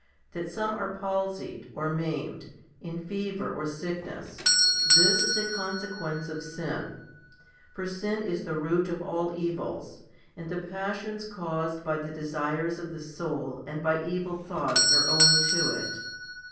That some are palsied or maimed, in fever or sickness, this is a consequence of sin. For sin is the root of all evils, and the passions caused by the desires of the soul and by evil thoughts are owing to it.